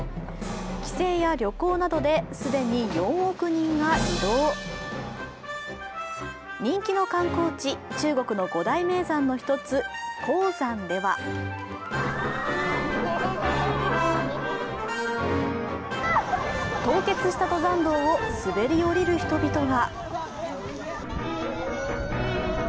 帰省や旅行などで既に４億人が移動人気の観光地、中国の五大名山の１つ、衡山では凍結した登山道を滑り降りる人々が。